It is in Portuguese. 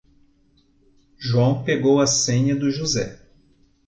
João pegou a senha do José.